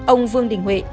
ông vương đình huệ